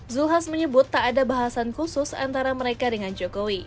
zulkifli hasan menyebut tak ada bahasan khusus antara mereka dengan jokowi